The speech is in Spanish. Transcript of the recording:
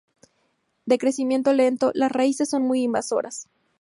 De crecimiento lento, las raíces son muy invasoras.